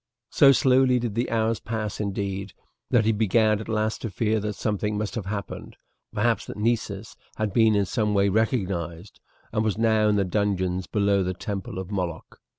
So slowly did the hours pass, indeed, that he began at last to fear that something must have happened perhaps that Nessus had been in some way recognized, and was now in the dungeons below the temple of Moloch.